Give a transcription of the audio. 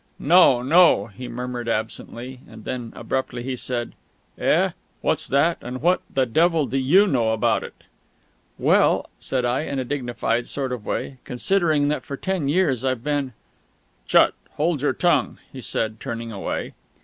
"No no," he murmured absently; and then abruptly he said: "Eh? What's that? And what the devil do you know about it?" "Well," said I, in a dignified sort of way, "considering that for ten years I've been " "Chut!... Hold your tongue," he said, turning away.